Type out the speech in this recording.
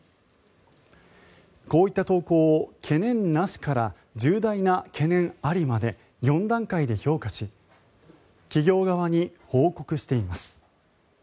こういった投稿を懸念なしから重大な懸念ありまで４段階で評価し企業側に報告しています。